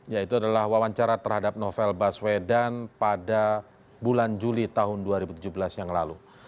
yaitu adalah wawancara terhadap novel baswedan pada bulan juli tahun dua ribu tujuh belas yang lalu